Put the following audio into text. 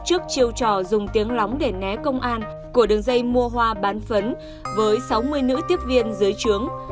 trường dây mua hoa bán phấn với sáu mươi nữ tiếp viên dưới trướng